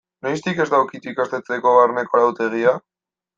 Noiztik ez da ukitu ikastetxeko barneko arautegia?